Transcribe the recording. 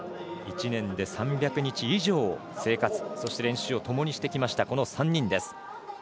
１年で３００日以上、生活そして練習をともにしてきた３人です。